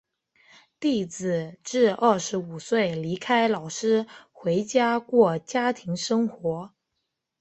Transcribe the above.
弟子至二十五岁离开老师回家过家庭生活。